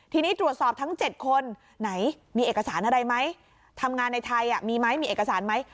ทีนี้ตรวจสอบทั้ง๗คนไหนมีเอกสารอะไรไหมทำงานในไทยมีไหมมีเอกสารไหม